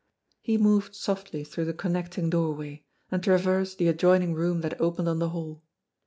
He moved softly through the connecting doorway, and traversed the ad THE VOICE 195 joining room that opened on the hall.